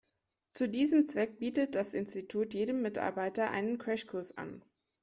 Zu diesem Zweck bietet das Institut jedem Mitarbeiter einen Crashkurs an.